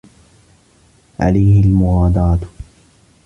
عليه المغادرة.